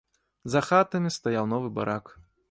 За хатамі стаяў новы барак.